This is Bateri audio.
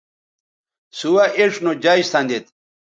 سوہ اِڇھ نو جج سندید